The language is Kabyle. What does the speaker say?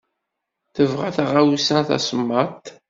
Tebɣa taɣawsa d tasemmaḍt.